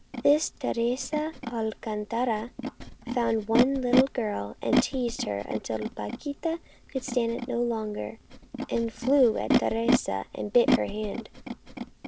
This Teresa Alcantara once found a little girl, and teased her until Paquita could stand it no longer, and flew at Teresa and bit her hand.